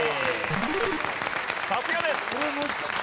さすがです！